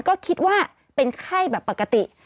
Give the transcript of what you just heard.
ก็คิดว่าเป็นไข้แบบปกติ